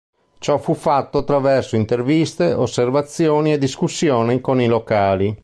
Ciò fu fatto attraverso interviste, osservazioni e discussioni con i locali.